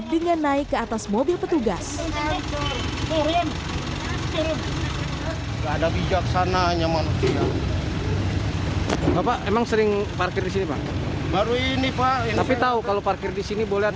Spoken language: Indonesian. dengan naik ke atas mobil petugas